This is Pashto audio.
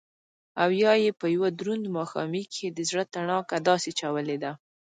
او يا يې په يو دروند ماښامي کښې دزړه تڼاکه داسې چولې ده